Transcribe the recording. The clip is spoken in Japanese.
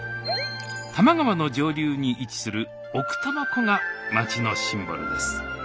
多摩川の上流に位置する奥多摩湖が町のシンボルです。